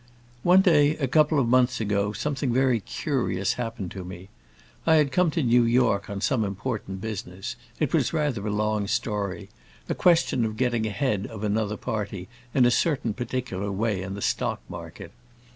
"One day, a couple of months ago, something very curious happened to me. I had come on to New York on some important business; it was rather a long story—a question of getting ahead of another party, in a certain particular way, in the stock market.